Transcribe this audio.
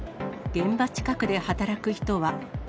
現場近くで働く人は。